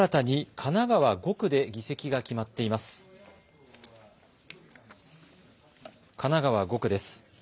神奈川５区です。